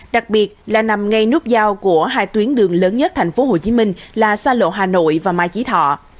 đặc biệt là nằm ngay nút giao của hai tuyến đường lớn nhất tp hcm là sa lộ hà nội và mai chí thọ